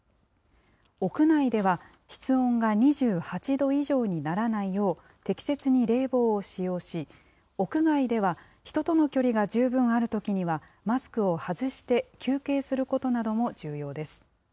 屋内では室温が２８度以上にならないよう、適切に冷房を使用し、屋外では人との距離が十分あるときには、マスクを外して休憩することなども重要です。